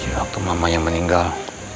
waktu mamanya meninggal